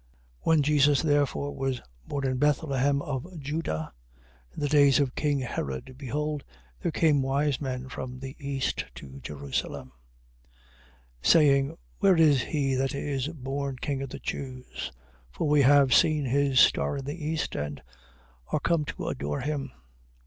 2:1. When Jesus therefore was born in Bethlehem of Juda, in the days of king Herod, behold, there came wise men from the East to Jerusalem, 2:2. Saying: Where is he that is born king of the Jews? For we have seen his star in the East, and are come to adore him.